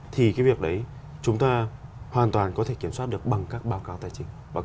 thì cái việc đấy chúng ta hoàn toàn có thể kiểm soát được bằng các báo cáo tài chính